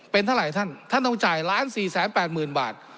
เป็นเท่าไหร่ท่านท่านต้องจ่าย๑๔๘๐๐๐บาท